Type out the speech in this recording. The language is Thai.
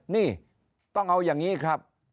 นี่ต้องเอาอย่างนี้ครับ